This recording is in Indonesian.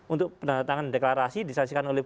untuk penandatangan deklarasi disaksikan oleh